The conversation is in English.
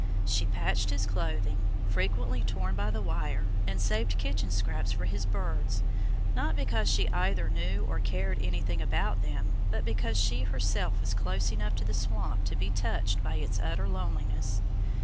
She patched his clothing frequently torn by the wire and saved kitchen scraps for his birds, not because she either knew or cared anything about them, but because she herself was close enough to the swamp to be touched by its utter loneliness.